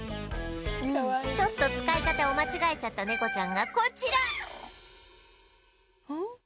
ちょっと使い方を間違えちゃった猫ちゃんがこちら